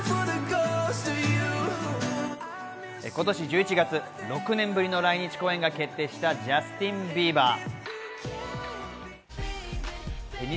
今年１１月、６年ぶりの来日公演が決定したジャスティン・ビーバー。